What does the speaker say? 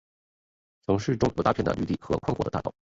城市中有大片的绿地和宽阔的大道。